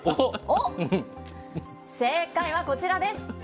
正解はこちらです。